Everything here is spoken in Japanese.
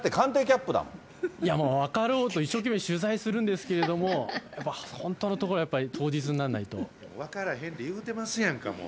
いや、もう分かろうと一生懸命取材するんですけれども、やっぱ本当のところは、当日にならないと。分からへんて言うてますやんか、もう。